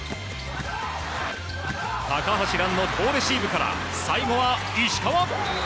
高橋藍の好レシーブから最後は石川！